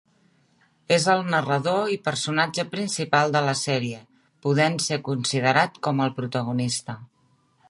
És el narrador i personatge principal de la sèrie, podent ser considerat com el protagonista.